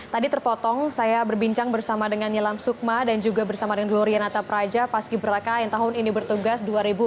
tadi terpotong saya berbincang bersama dengan nilam sukma dan juga bersama dengan glorianata praja paski beraka yang tahun ini bertugas dua ribu enam belas